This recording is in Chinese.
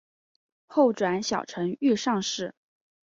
后转小承御上士。